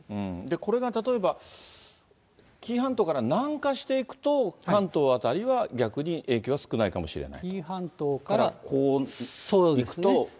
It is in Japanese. これが例えば、紀伊半島から南下していくと、関東辺りは逆に影響は少ないかもしれない？